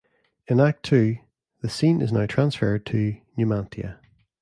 In Act Two, the scene is now transferred to Numantia.